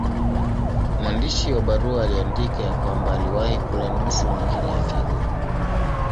Mwandishi wa barua aliandika ya kwamba aliwahi kula nusu nyingine ya figo.